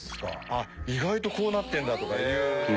あっ意外とこうなってるんだとかいう。